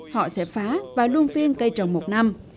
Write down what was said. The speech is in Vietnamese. họ sẽ phá và luôn phiên cây trồng một năm